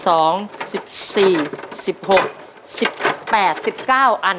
โอเค